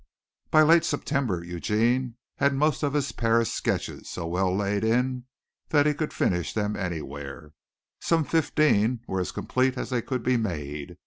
By late September Eugene had most of his Paris sketches so well laid in that he could finish them anywhere. Some fifteen were as complete as they could be made.